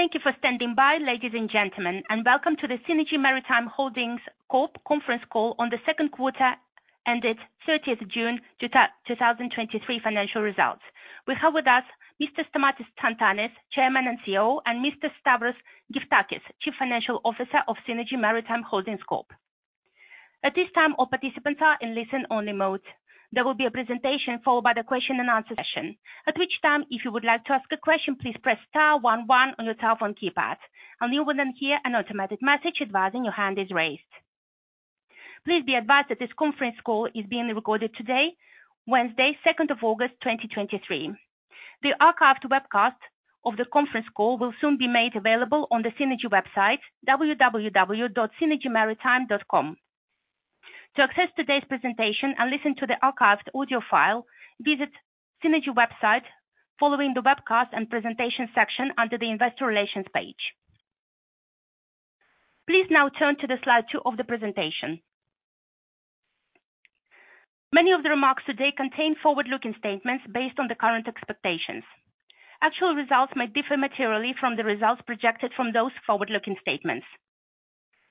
Thank you for standing by, ladies and gentlemen. Welcome to the Seanergy Maritime Holdings Corp Conference Call on the Second Quarter, ended 30th of June 2023 Financial Results. We have with us Mr. Stamatis Tsantanis, Chairman and CEO, and Mr. Stavros Gyftakis, Chief Financial Officer of Seanergy Maritime Holdings Corp. At this time, all participants are in listen-only mode. There will be a presentation followed by the question and answer session. At which time, if you would like to ask a question, please press star one one on your telephone keypad, and you will then hear an automatic message advising your hand is raised. Please be advised that this conference call is being recorded today, Wednesday, 2nd of August 2023. The archived webcast of the conference call will soon be made available on the Seanergy website, www.seanergymaritime.com. To access today's presentation and listen to the archived audio file, visit Seanergy website following the Webcast and Presentation section under the Investor Relations page. Now turn to slide two of the presentation. Many of the remarks today contain forward-looking statements based on the current expectations. Actual results may differ materially from the results projected from those forward-looking statements.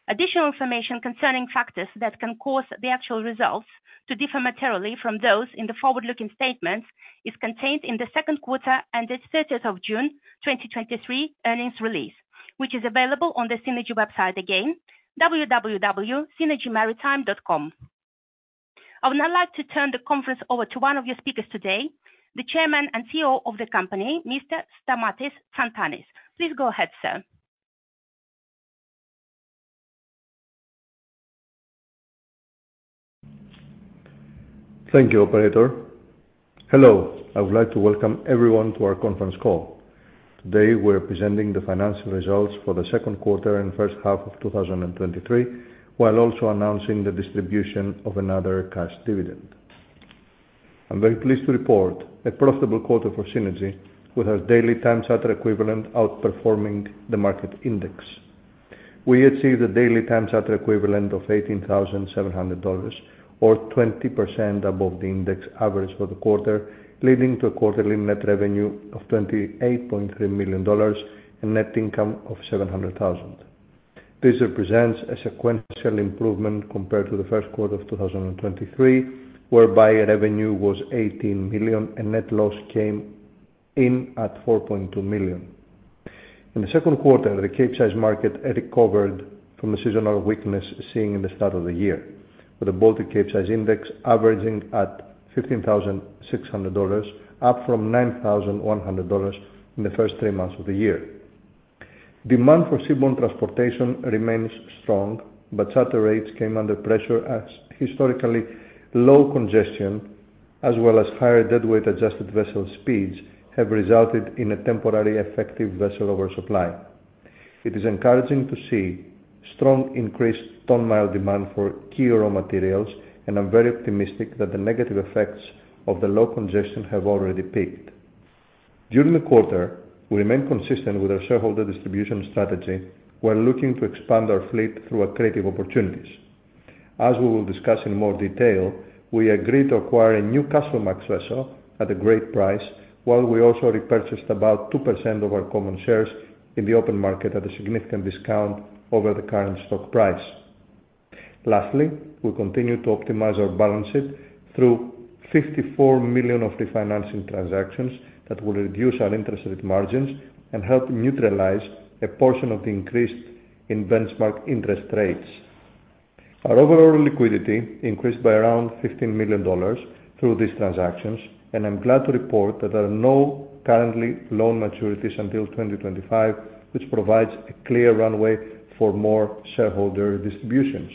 Additional information concerning factors that can cause the actual results to differ materially from those in the forward-looking statements is contained in the second quarter ended 30th of June 2023 earnings release, which is available on the Seanergy website, again, www.seanergymaritime.com. I would now like to turn the conference over to one of your speakers today, the Chairman and CEO of the company, Mr. Stamatis Tsantanis. Please go ahead, sir. Thank you, operator. Hello. I would like to welcome everyone to our conference call. Today, we're presenting the financial results for the second quarter and first half of 2023, while also announcing the distribution of another cash dividend. I'm very pleased to report a profitable quarter for Seanergy, with our daily time charter equivalent outperforming the market index. We achieved a daily time charter equivalent of $18,700 or 20% above the index average for the quarter, leading to a quarterly net revenue of $28.3 million and net income of $700,000. This represents a sequential improvement compared to the first quarter of 2023, whereby revenue was $18 million and net loss came in at $4.2 million. In the second quarter, the Capesize market recovered from the seasonal weakness seen in the start of the year, with the Baltic Capesize Index averaging at $15,600, up from $9,100 in the first three months of the year. Demand for seaborne transportation remains strong, but charter rates came under pressure as historically low congestion, as well as higher deadweight adjusted vessel speeds, have resulted in a temporary effective vessel oversupply. It is encouraging to see strong increased ton-mile demand for key raw materials, and I'm very optimistic that the negative effects of the low congestion have already peaked. During the quarter, we remained consistent with our shareholder distribution strategy, while looking to expand our fleet through accretive opportunities. As we will discuss in more detail, we agreed to acquire a new Kamsarmax vessel at a great price, while we also repurchased about 2% of our common shares in the open market at a significant discount over the current stock price. Lastly, we continue to optimize our balance sheet through $54 million of refinancing transactions that will reduce our interest rate margins and help neutralize a portion of the increase in benchmark interest rates. Our overall liquidity increased by around $15 million through these transactions, and I'm glad to report that there are no currently loan maturities until 2025, which provides a clear runway for more shareholder distributions.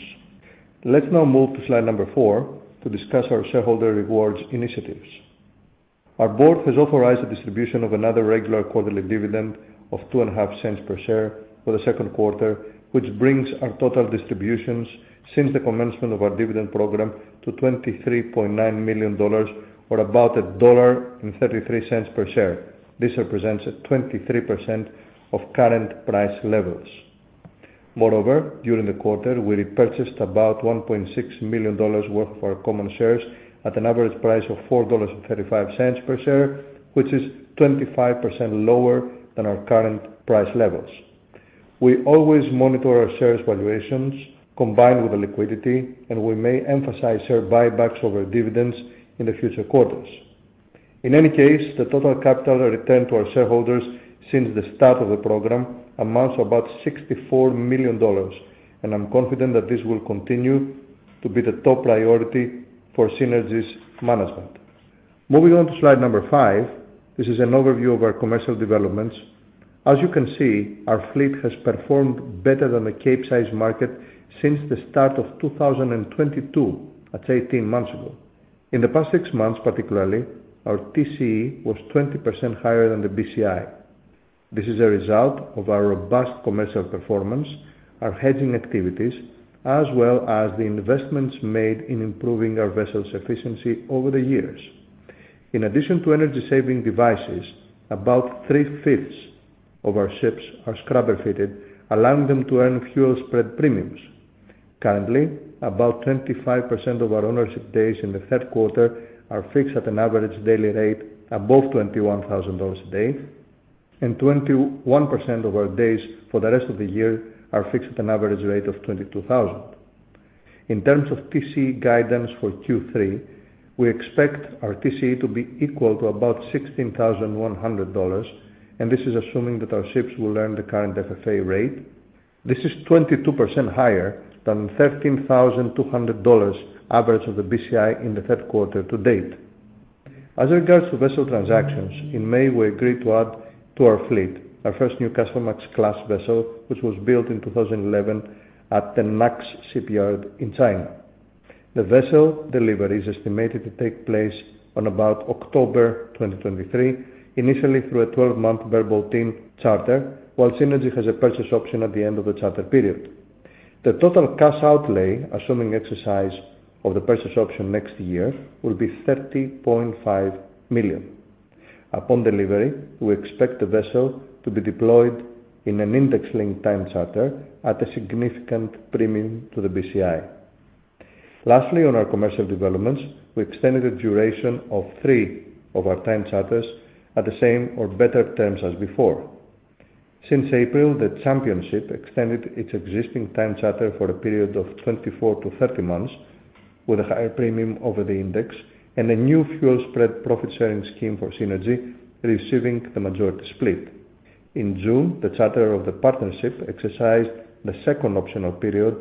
Let's now move to slide number four to discuss our shareholder rewards initiatives. Our board has authorized the distribution of another regular quarterly dividend of $0.025 per share for the second quarter, which brings our total distributions since the commencement of our dividend program to $23.9 million, or about $1.33 per share. This represents 23% of current price levels. Moreover, during the quarter, we repurchased about $1.6 million worth of our common shares at an average price of $4.35 per share, which is 25% lower than our current price levels. We always monitor our shares valuations combined with the liquidity. We may emphasize share buybacks over dividends in the future quarters. In any case, the total capital return to our shareholders since the start of the program amounts to about $64 million, and I'm confident that this will continue to be the top priority for Seanergy's management. Moving on to slide number five. This is an overview of our commercial developments. As you can see, our fleet has performed better than the Capesize market since the start of 2022. That's 18 months ago. In the past six months, particularly, our TCE was 20% higher than the BCI. This is a result of our robust commercial performance, our hedging activities, as well as the investments made in improving our vessel's efficiency over the years. In addition to energy-saving devices, about 3/5 of our ships are scrubber-fitted, allowing them to earn fuel spread premiums. Currently, about 25% of our ownership days in the third quarter are fixed at an average daily rate above $21,000 a day, and 21% of our days for the rest of the year are fixed at an average rate of $22,000. In terms of TCE guidance for Q3, we expect our TCE to be equal to about $16,100, and this is assuming that our ships will earn the current FFA rate. This is 22% higher than $13,200 average of the BCI in the third quarter to date. As regards to vessel transactions, in May, we agreed to add to our fleet, our first new Kamsarmax class vessel, which was built in 2011 at the [Max] shipyard in China. The vessel delivery is estimated to take place on about October 2023, initially through a twelve-month bareboat charter, while Seanergy has a purchase option at the end of the charter period. The total cash outlay, assuming exercise of the purchase option next year, will be $30.5 million. Upon delivery, we expect the vessel to be deployed in an index-linked time charter at a significant premium to the BCI. Lastly, on our commercial developments, we extended the duration of three of our time charters at the same or better terms as before. Since April, the Championship extended its existing time charter for a period of 24-30 months, with a higher premium over the index and a new fuel spread profit-sharing scheme for Seanergy, receiving the majority split. In June, the charter of the Partnership exercised the second optional period,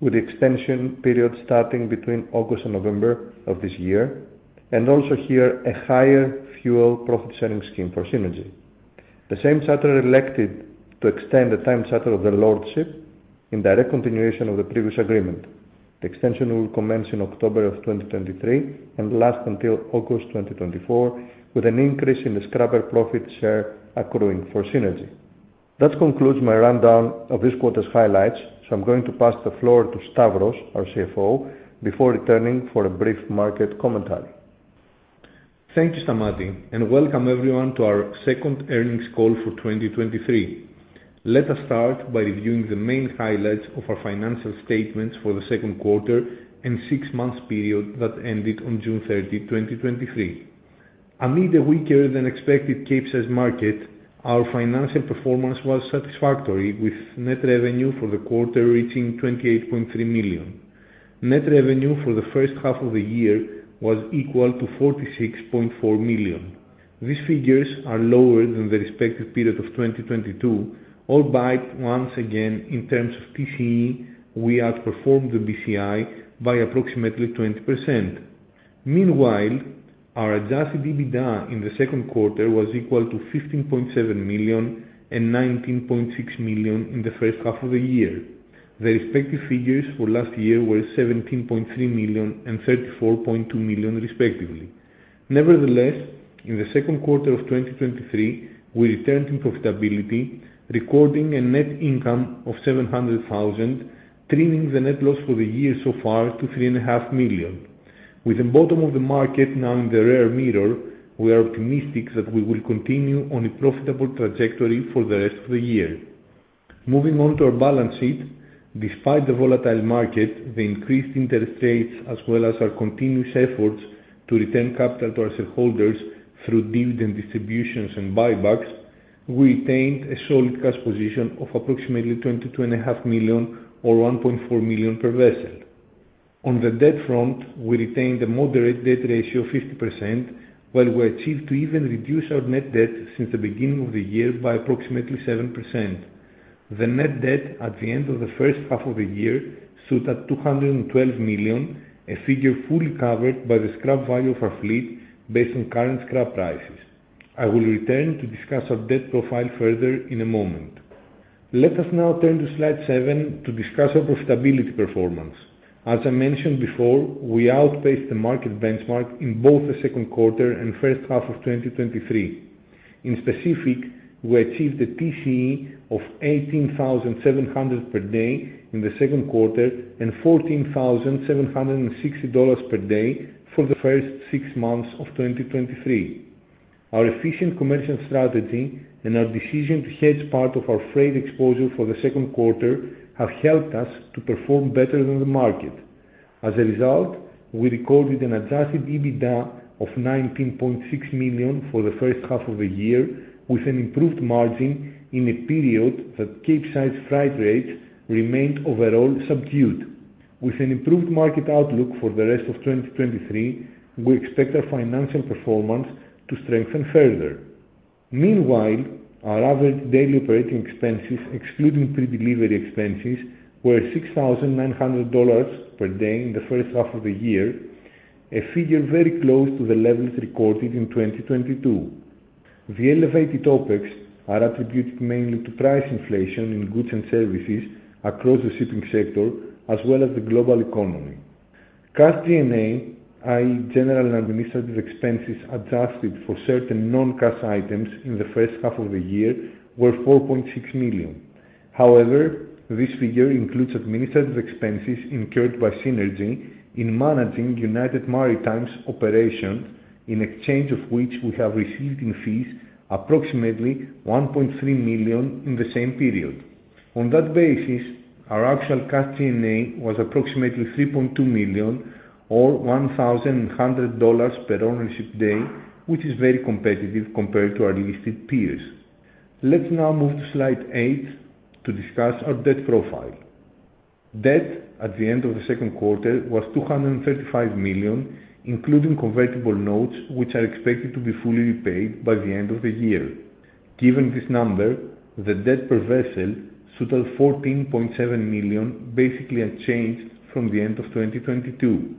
with the extension period starting between August and November of this year, also here, a higher fuel profit-sharing scheme for Seanergy. The same charter elected to extend the time charter of the Championship in direct continuation of the previous agreement. The extension will commence in October 2023 and last until August 2024, with an increase in the scrubber profit share accruing for Seanergy. That concludes my rundown of this quarter's highlights, I'm going to pass the floor to Stavros, our CFO, before returning for a brief market commentary. Thank you, Stamatis, and welcome everyone to our second earnings call for 2023. Let us start by reviewing the main highlights of our financial statements for the second quarter and six months period that ended on June 30, 2023. Amid a weaker-than-expected Capesize market, our financial performance was satisfactory, with net revenue for the quarter reaching $28.3 million. Net revenue for the first half of the year was equal to $46.4 million. These figures are lower than the respective period of 2022, albeit once again, in terms of TCE, we outperformed the BCI by approximately 20%. Meanwhile, our adjusted EBITDA in the second quarter was equal to $15.7 million and $19.6 million in the first half of the year. The respective figures for last year were $17.3 million and $34.2 million, respectively. Nevertheless, in the second quarter of 2023, we returned to profitability, recording a net income of $700,000, trimming the net loss for the year so far to $3.5 million. With the bottom of the market now in the rear mirror, we are optimistic that we will continue on a profitable trajectory for the rest of the year. Moving on to our balance sheet, despite the volatile market, the increased interest rates, as well as our continuous efforts to return capital to our shareholders through dividend distributions and buybacks, we retained a solid cash position of approximately $22.5 million or $1.4 million per vessel. On the debt front, we retained a moderate debt ratio of 50%, while we achieved to even reduce our net debt since the beginning of the year by approximately 7%. The net debt at the end of the first half of the year stood at $212 million, a figure fully covered by the scrap value of our fleet based on current scrap prices. I will return to discuss our debt profile further in a moment. Let us now turn to slide seven to discuss our profitability performance. As I mentioned before, we outpaced the market benchmark in both the second quarter and first half of 2023. In specific, we achieved a TCE of $18,700 per day in the second quarter and $14,760 per day for the first six months of 2023. Our efficient commercial strategy and our decision to hedge part of our freight exposure for the second quarter have helped us to perform better than the market. As a result, we recorded an adjusted EBITDA of $19.6 million for the first half of the year, with an improved margin in a period that Capesize freight rates remained overall subdued. With an improved market outlook for the rest of 2023, we expect our financial performance to strengthen further. Meanwhile, our average daily operating expenses, excluding pre-delivery expenses, were $6,900 per day in the first half of the year, a figure very close to the levels recorded in 2022. The elevated OpEx are attributed mainly to price inflation in goods and services across the shipping sector, as well as the global economy. Cash G&A, i.e., general and administrative expenses, adjusted for certain non-cash items in the first half of the year, were $4.6 million. This figure includes administrative expenses incurred by Seanergy in managing United Maritime's operation, in exchange of which we have received in fees approximately $1.3 million in the same period. On that basis, our actual cash G&A was approximately $3.2 million, or $1,100 per ownership day, which is very competitive compared to our listed peers. Let's now move to slide eight to discuss our debt profile. Debt at the end of the second quarter was $235 million, including convertible notes, which are expected to be fully repaid by the end of the year. Given this number, the debt per vessel stood at $14.7 million, basically unchanged from the end of 2022.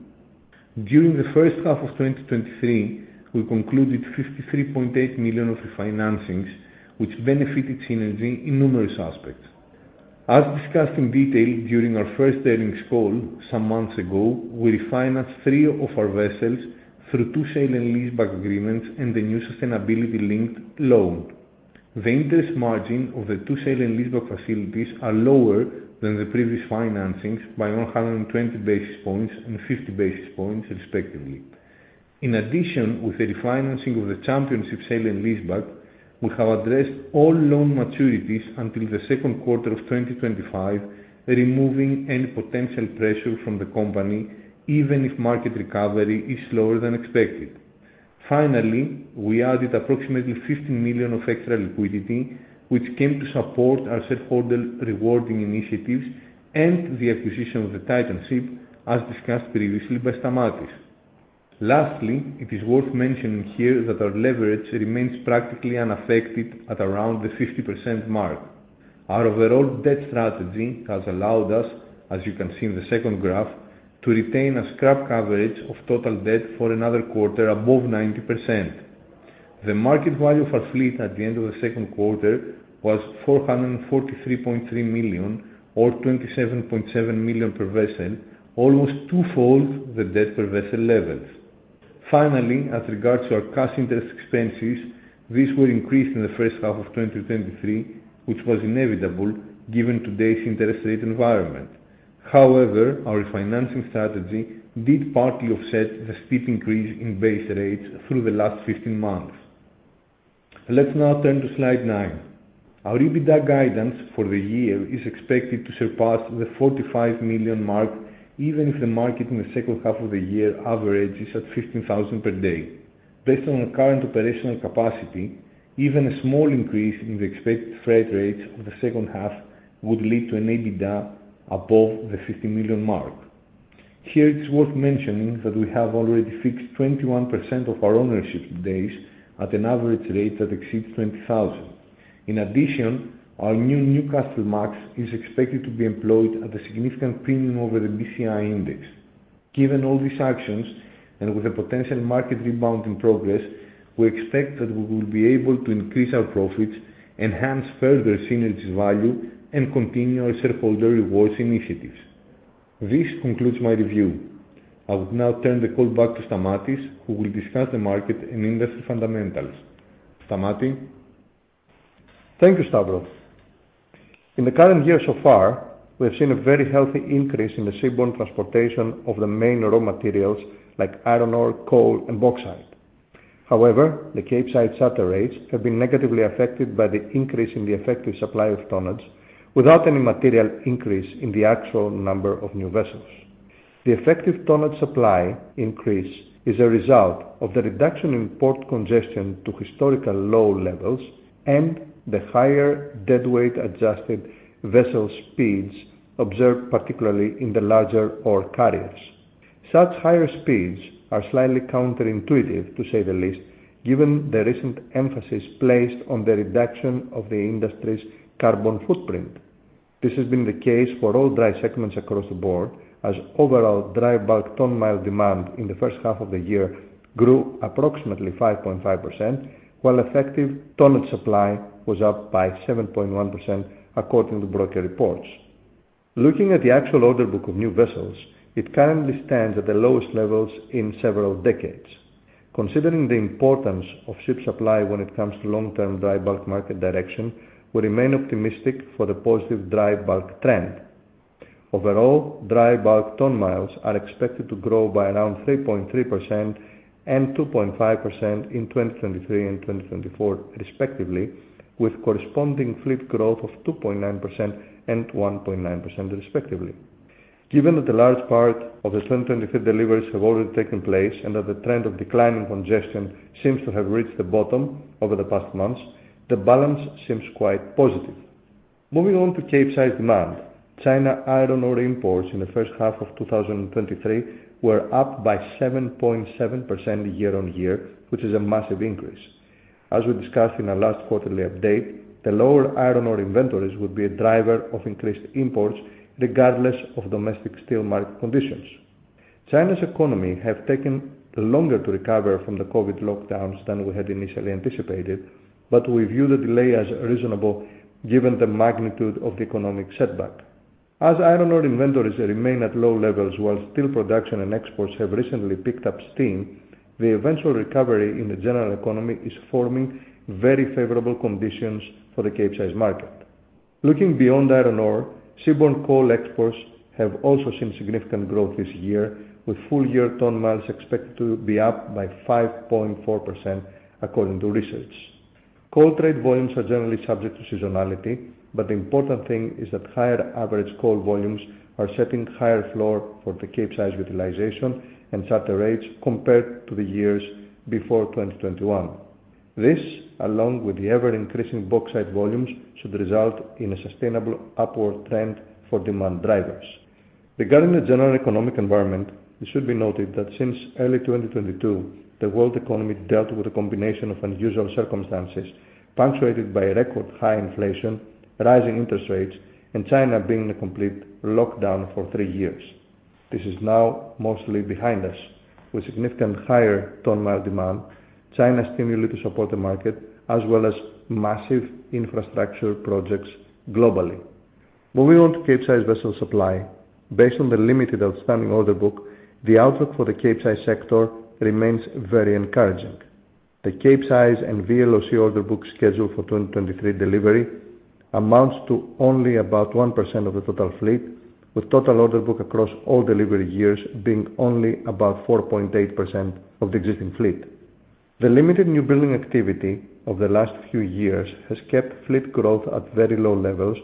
During the first half of 2023, we concluded $53.8 million of refinancings, which benefited Seanergy in numerous aspects. As discussed in detail during our first earnings call some months ago, we refinanced three of our vessels through two sale and leaseback agreements and the new sustainability-linked loan. The interest margin of the two sale and leaseback facilities are lower than the previous financings by 120 basis points and 50 basis points, respectively. In addition, with the refinancing of the Championship sale and leaseback, we have addressed all loan maturities until the second quarter of 2025, removing any potential pressure from the company, even if market recovery is slower than expected. Finally, we added approximately $50 million of extra liquidity, which came to support our shareholder rewarding initiatives and the acquisition of the Titan ship, as discussed previously by Stamatis Tsantanis. Lastly, it is worth mentioning here that our leverage remains practically unaffected at around the 50% mark. Our overall debt strategy has allowed us, as you can see in the second graph, to retain a scrap coverage of total debt for another quarter above 90%. The market value of our fleet at the end of the second quarter was $443.3 million, or $27.7 million per vessel, almost twofold the debt per vessel levels. Finally, as regards to our cash interest expenses, these were increased in the first half of 2023, which was inevitable given today's interest rate environment. However, our refinancing strategy did partly offset the steep increase in base rates through the last 15 months. Let's now turn to slide nine. Our EBITDA guidance for the year is expected to surpass the $45 million mark, even if the market in the second half of the year averages at $15,000 per day. Based on our current operational capacity, even a small increase in the expected freight rates of the second half would lead to an EBITDA above the $50 million mark. Here, it's worth mentioning that we have already fixed 21% of our ownership days at an average rate that exceeds $20,000. In addition, our new Newcastlemax is expected to be employed at a significant premium over the BCI index. Given all these actions, and with a potential market rebound in progress, we expect that we will be able to increase our profits, enhance further synergies value, and continue our shareholder rewards initiatives. This concludes my review. I would now turn the call back to Stamatis, who will discuss the market and industry fundamentals. Stamatis? Thank you, Stavros. In the current year so far, we have seen a very healthy increase in the seaborne transportation of the main raw materials like iron ore, coal, and bauxite. The Capesize charter rates have been negatively affected by the increase in the effective supply of tonnage, without any material increase in the actual number of new vessels. The effective tonnage supply increase is a result of the reduction in port congestion to historical low levels and the higher deadweight-adjusted vessel speeds observed, particularly in the larger ore carriers. Such higher speeds are slightly counterintuitive, to say the least, given the recent emphasis placed on the reduction of the industry's carbon footprint. This has been the case for all dry segments across the board, as overall dry bulk ton-mile demand in the first half of the year grew approximately 5.5%, while effective tonnage supply was up by 7.1%, according to broker reports. Looking at the actual order book of new vessels, it currently stands at the lowest levels in several decades. Considering the importance of ship supply when it comes to long-term dry bulk market direction, we remain optimistic for the positive dry bulk trend. Overall, dry bulk ton-miles are expected to grow by around 3.3% and 2.5% in 2023 and 2024, respectively, with corresponding fleet growth of 2.9% and 1.9%, respectively. Given that a large part of the 2023 deliveries have already taken place, and that the trend of declining congestion seems to have reached the bottom over the past months, the balance seems quite positive. Moving on to Capesize demand, China iron ore imports in the first half of 2023 were up by 7.7% year-on-year, which is a massive increase. As we discussed in our last quarterly update, the lower iron ore inventories would be a driver of increased imports, regardless of domestic steel market conditions. China's economy have taken longer to recover from the Covid lockdowns than we had initially anticipated, but we view the delay as reasonable given the magnitude of the economic setback. As iron ore inventories remain at low levels while steel production and exports have recently picked up steam, the eventual recovery in the general economy is forming very favorable conditions for the Capesize market. Looking beyond iron ore, seaborne coal exports have also seen significant growth this year, with full year ton miles expected to be up by 5.4%, according to research. Coal trade volumes are generally subject to seasonality, but the important thing is that higher average coal volumes are setting higher floor for the Capesize utilization and charter rates compared to the years before 2021. This, along with the ever-increasing bauxite volumes, should result in a sustainable upward trend for demand drivers. Regarding the general economic environment, it should be noted that since early 2022, the world economy dealt with a combination of unusual circumstances, punctuated by record high inflation, rising interest rates, and China being in a complete lockdown for three years. This is now mostly behind us, with significant higher ton-mile demand, China stimuli to support the market, as well as massive infrastructure projects globally. Moving on to Capesize vessel supply. Based on the limited outstanding order book, the outlook for the Capesize sector remains very encouraging. The Capesize and VLOC order book scheduled for 2023 delivery amounts to only about 1% of the total fleet, with total order book across all delivery years being only about 4.8% of the existing fleet. The limited new building activity of the last few years has kept fleet growth at very low levels,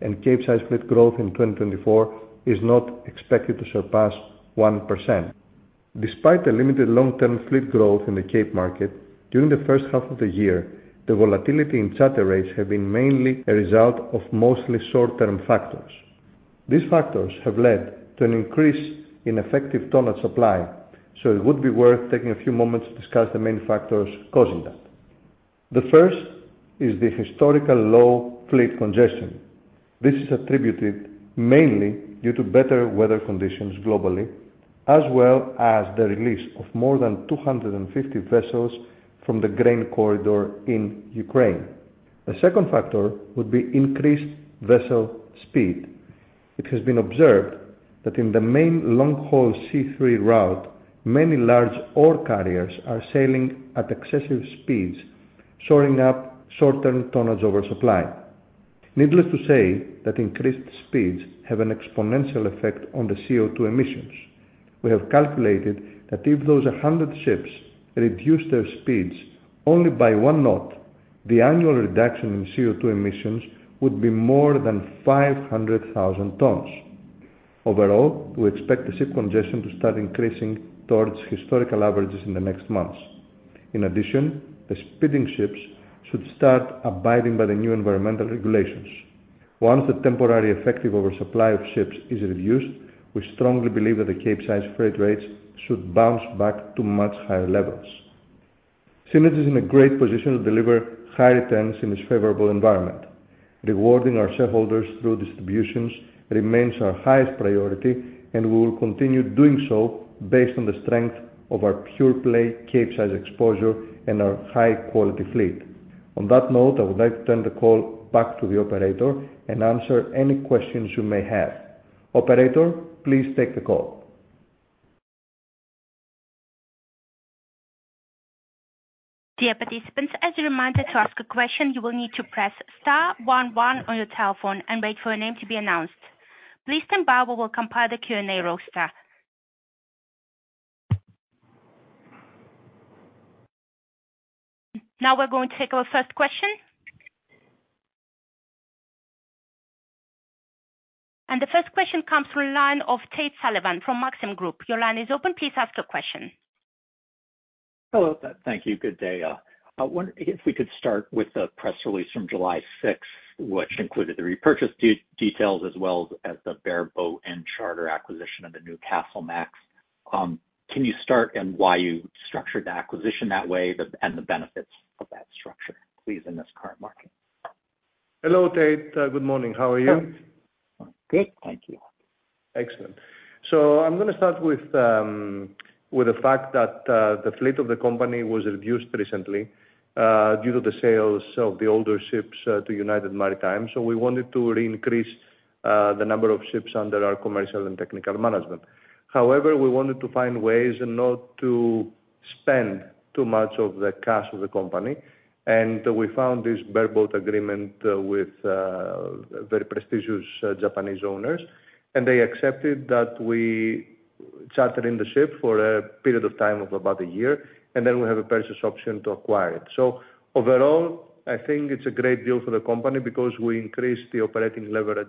and Capesize fleet growth in 2024 is not expected to surpass 1%. Despite the limited long-term fleet growth in the Capesize market, during the first half of the year, the volatility in charter rates have been mainly a result of mostly short-term factors. These factors have led to an increase in effective tonnage supply. It would be worth taking a few moments to discuss the main factors causing that. The first is the historical low fleet congestion. This is attributed mainly due to better weather conditions globally, as well as the release of more than 250 vessels from the grain corridor in Ukraine. The second factor would be increased vessel speed. It has been observed that in the main long-haul sea three route, many large ore carriers are sailing at excessive speeds, soaring up short-term tonnage oversupply. Needless to say, that increased speeds have an exponential effect on the CO₂ emissions. We have calculated that if those 100 ships reduce their speeds only by one knot, the annual reduction in CO₂ emissions would be more than 500,000 tons. Overall, we expect the ship congestion to start increasing towards historical averages in the next months. In addition, the speeding ships should start abiding by the new environmental regulations. Once the temporary effective oversupply of ships is reduced, we strongly believe that the Capesize freight rates should bounce back to much higher levels. Seanergy is in a great position to deliver high returns in this favorable environment. Rewarding our shareholders through distributions remains our highest priority. We will continue doing so based on the strength of our pure-play Capesize exposure and our high-quality fleet. On that note, I would like to turn the call back to the operator and answer any questions you may have. Operator, please take the call. Dear participants, as a reminder, to ask a question, you will need to press star one one on your telephone and wait for your name to be announced. Please stand by, we will compile the Q&A roster. Now we're going to take our first question. The first question comes from the line of Tate Sullivan from Maxim Group. Your line is open. Please ask your question. Hello. Thank you. Good day. I wonder if we could start with the press release from July 6th, which included the repurchase details as well as the bareboat and charter acquisition of the new Kamsarmax. Can you start and why you structured the acquisition that way, and the benefits of that structure, please, in this current market? Hello, Tate. Good morning. How are you? Good, thank you. Excellent. I'm gonna start with the fact that the fleet of the company was reduced recently due to the sales of the older ships to United Maritime. We wanted to re-increase the number of ships under our commercial and technical management. However, we wanted to find ways not to spend too much of the cash of the company, and we found this bareboat agreement with very prestigious Japanese owners, and they accepted that we chartered in the ship for a period of time of about a year, and then we have a purchase option to acquire it. Overall, I think it's a great deal for the company because we increased the operating leverage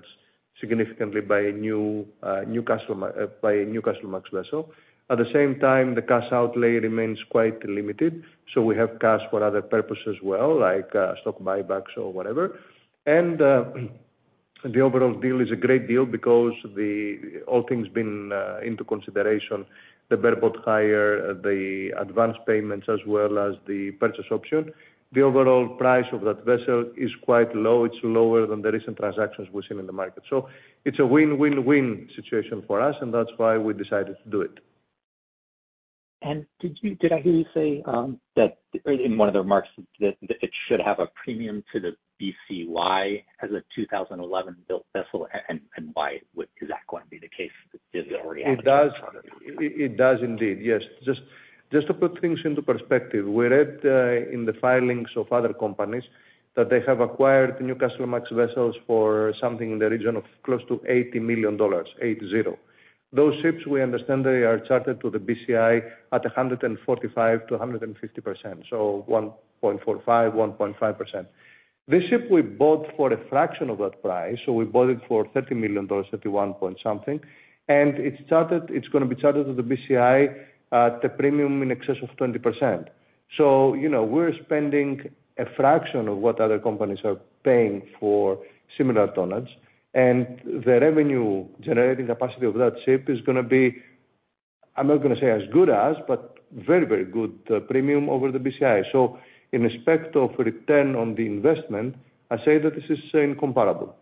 significantly by a new Kamsarmax vessel. At the same time, the cash outlay remains quite limited, so we have cash for other purposes as well, like share buybacks or whatever. The overall deal is a great deal because the all things been into consideration, the bareboat hire, the advanced payments, as well as the purchase option. The overall price of that vessel is quite low. It's lower than the recent transactions we've seen in the market. It's a win-win-win situation for us, and that's why we decided to do it. Did I hear you say that in one of the remarks, that it should have a premium to the BCI as a 2011-built vessel? Why would, is that going to be the case? Does it already have it? It does. It does indeed, yes. Just to put things into perspective, we read in the filings of other companies that they have acquired the Newcastlemax vessels for something in the region of close to $80 million, eight, zero. Those ships, we understand they are chartered to the BCI at 145%-150%, so 1.45, 1.5%. This ship we bought for a fraction of that price, so we bought it for $30 million, 31 point something, and it's chartered, it's gonna be chartered to the BCI at a premium in excess of 20%. You know, we're spending a fraction of what other companies are paying for similar tonnage, and the revenue generating capacity of that ship is gonna be, I'm not gonna say as good as, but very, very good premium over the BCI. In respect of return on the investment, I say that this is incomparable.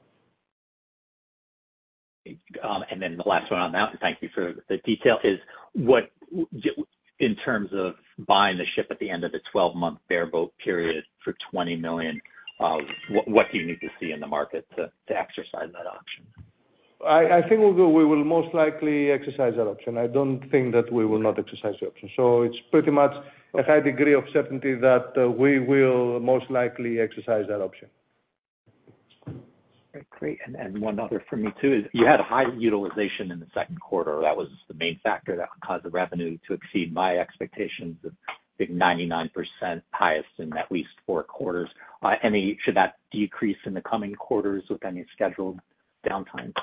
The last one on that, thank you for the detail, is what in terms of buying the ship at the end of the 12-month bareboat period for $20 million, what, what do you need to see in the market to, to exercise that option? I think we will most likely exercise that option. I don't think that we will not exercise the option. It's pretty much a high degree of certainty that we will most likely exercise that option. Great. One other for me, too, is you had a high utilization in the second quarter. That was the main factor that caused the revenue to exceed my expectations of big 99%, highest in at least four quarters. Any- should that decrease in the coming quarters with any scheduled downtime?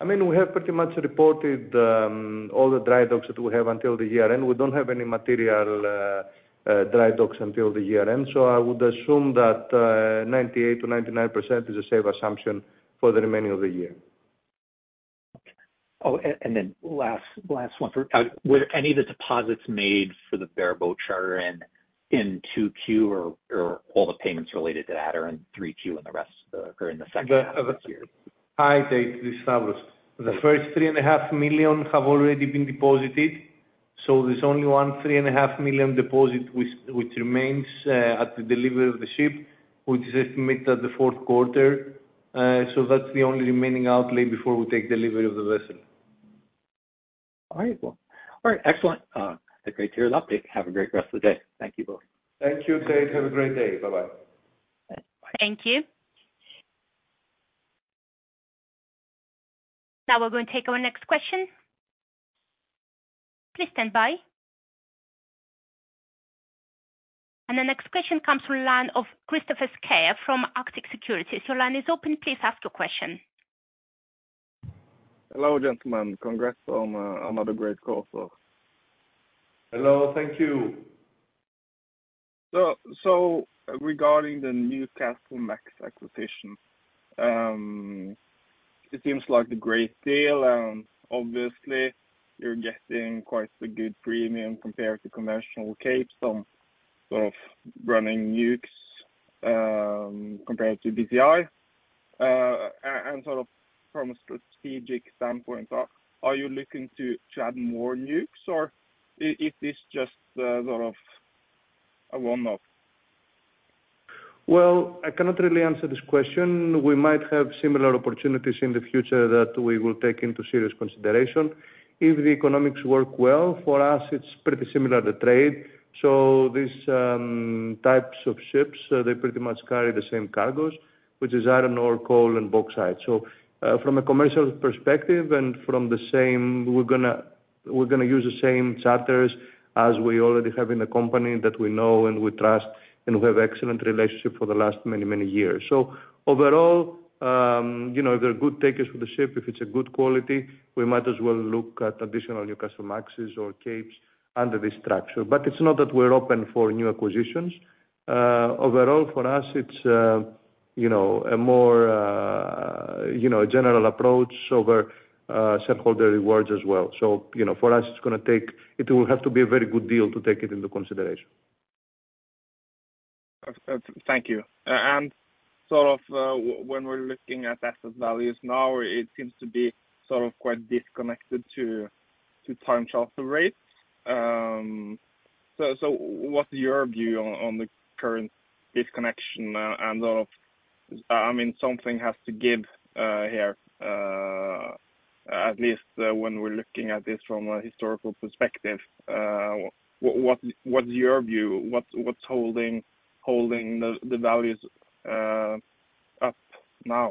I mean, we have pretty much reported all the dry docks that we have until the year-end. We don't have any material dry docks until the year-end, so I would assume that 98%-99% is a safe assumption for the remaining of the year. Then last, last one for, were any of the deposits made for the bareboat charter in, in 2Q or, or all the payments related to that are in 3Q and the rest are in the second half of the year? Hi, Tate, this is Stavros. The first $3.5 million have already been deposited, there's only one $3.5 million deposit which remains at the delivery of the ship, which is estimated at the fourth quarter. That's the only remaining outlay before we take delivery of the vessel. All right. Well, all right, excellent. A great clear update. Have a great rest of the day. Thank you both. Thank you, Tate. Have a great day. Bye-bye. Thank you. Now we're going to take our next question. Please stand by. The next question comes from the line of Kristoffer Skeie from Arctic Securities. Your line is open. Please ask your question. Hello, gentlemen. Congrats on, another great quarter. Hello. Thank you. Regarding the Newcastlemax acquisition, it seems like a great deal, and obviously you're getting quite a good premium compared to conventional Capes on sort of running nukes, compared to BCI. Sort of from a strategic standpoint, are you looking to add more nukes or is this just sort of a one-off? Well, I cannot really answer this question. We might have similar opportunities in the future that we will take into serious consideration. If the economics work well, for us, it's pretty similar to trade. These types of ships, they pretty much carry the same cargoes, which is iron ore, coal and bauxite. From a commercial perspective and from the same, we're gonna, we're gonna use the same charters as we already have in the company that we know and we trust and who have excellent relationship for the last many, many years. Overall, you know, if they're good takers for the ship, if it's a good quality, we might as well look at additional Newcastlemaxes or Capes under this structure. It's not that we're open for new acquisitions. Overall, for us, it's, you know, a more, you know, a general approach over shareholder rewards as well. You know, for us, it's gonna take... it will have to be a very good deal to take it into consideration. thank you. Sort of, when we're looking at asset values now, it seems to be sort of quite disconnected to, to time charter rates. What's your view on, on the current disconnection, and of, I mean, something has to give, here, at least when we're looking at this from a historical perspective, what, what's your view? What's, what's holding, holding the, the values, up now?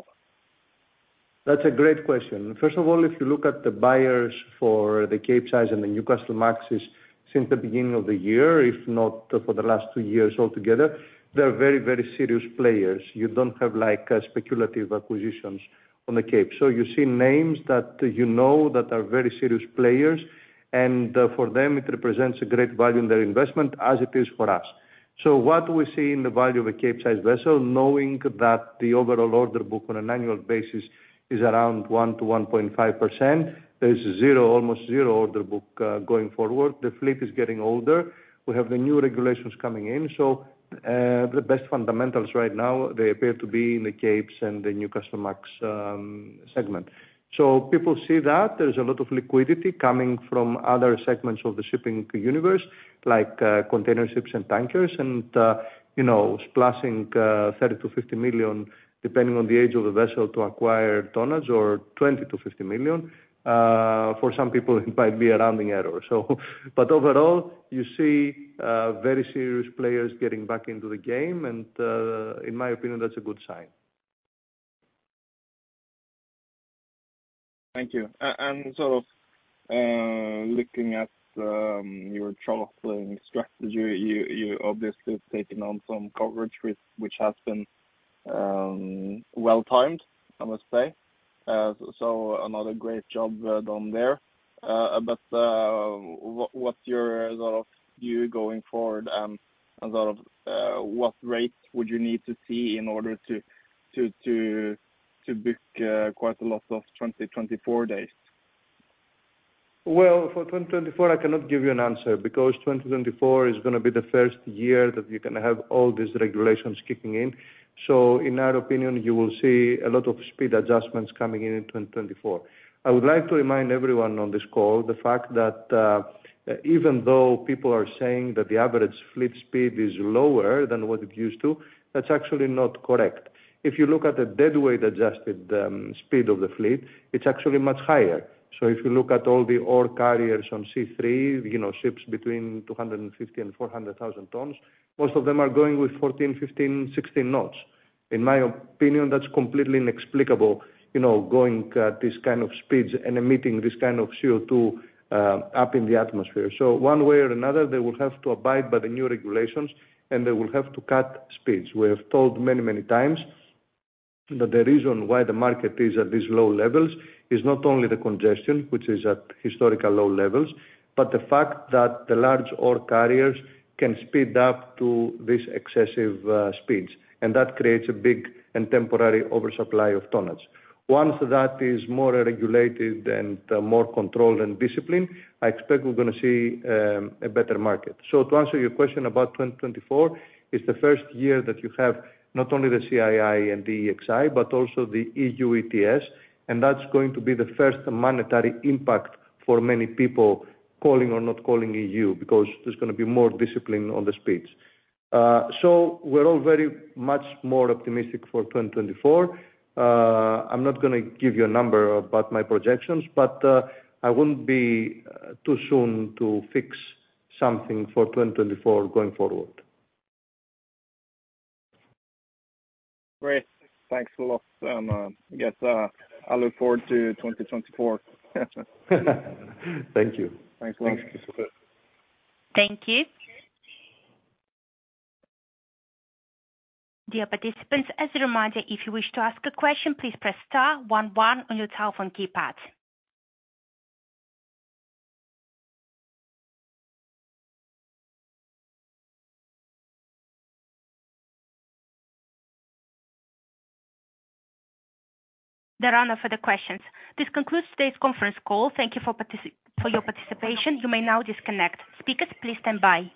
That's a great question. First of all, if you look at the buyers for the Capesize and the Newcastlemaxes since the beginning of the year, if not for the last two years altogether, they're very, very serious players. You don't have, like, speculative acquisitions on the Capes. You see names that you know that are very serious players, and, for them, it represents a great value in their investment, as it is for us. What we see in the value of a Capesize vessel, knowing that the overall order book on an annual basis is around 1%-1.5%, there's zero, almost zero order book, going forward. The fleet is getting older. We have the new regulations coming in. The best fundamentals right now, they appear to be in the Capes and the Newcastlemax segment. People see that there's a lot of liquidity coming from other segments of the shipping universe, like, container ships and tankers, and, you know, splashing $30 million-$50 million, depending on the age of the vessel, to acquire tonnage, or $20 million-$50 million for some people it might be a rounding error or so. Overall, you see very serious players getting back into the game, and, in my opinion, that's a good sign. Thank you. Sort of, looking at, your throttling strategy, you, you obviously have taken on some coverage with which has been, well timed, I must say. Another great job, done there. What, what's your sort of view going forward, in sort of, what rates would you need to see in order to book, quite a lot of 2024 days? Well, for 2024, I cannot give you an answer because 2024 is gonna be the first year that you're gonna have all these regulations kicking in. In our opinion, you will see a lot of speed adjustments coming in in 2024. I would like to remind everyone on this call the fact that, even though people are saying that the average fleet speed is lower than what it used to, that's actually not correct. If you look at the deadweight adjusted speed of the fleet, it's actually much higher. If you look at all the ore carriers on C3, you know, ships between 250 and 400,000 tons, most of them are going with 14, 15, 16 knots. In my opinion, that's completely inexplicable, you know, going at these kind of speeds and emitting this kind of CO2 up in the atmosphere. One way or another, they will have to abide by the new regulations, and they will have to cut speeds. We have told many, many times that the reason why the market is at these low levels is not only the congestion, which is at historical low levels, but the fact that the large ore carriers can speed up to these excessive speeds, and that creates a big and temporary oversupply of tonnage. Once that is more regulated and more controlled and disciplined, I expect we're gonna see a better market. To answer your question about 2024, it's the first year that you have not only the CII and the EEXI, but also the EU ETS, and that's going to be the first monetary impact for many people calling or not calling EU, because there's gonna be more discipline on the speeds. We're all very much more optimistic for 2024. I'm not gonna give you a number about my projections, but, I wouldn't be too soon to fix something for 2024 going forward. Great. Thanks a lot. I guess, I look forward to 2024. Thank you. Thanks a lot. Thanks. Thank you. Dear participants, as a reminder, if you wish to ask a question, please press star one one on your telephone keypad. There are no further questions. This concludes today's conference call. Thank you for your participation. You may now disconnect. Speakers, please stand by.